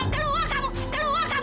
keluar kamu keluar kamu